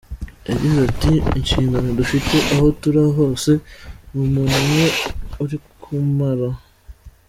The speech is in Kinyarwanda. Yagize ati: ”Inshingano dufite aho turi hose, nta muntu umwe uri kamara.